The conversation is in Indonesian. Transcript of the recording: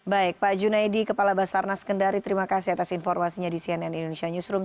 baik pak junaidi kepala basarnas kendari terima kasih atas informasinya di cnn indonesia newsroom